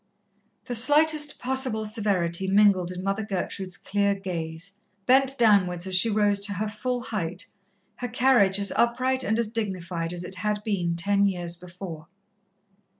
The slightest possible severity mingled in Mother Gertrude's clear gaze, bent downwards as she rose to her full height, her carriage as upright and as dignified as it had been ten years before.